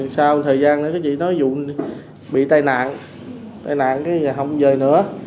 sau thời gian chị nói bị tai nạn không về nữa